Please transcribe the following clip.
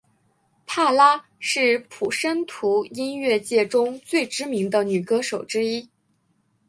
帕拉是普什图音乐界中最知名的女歌手之一。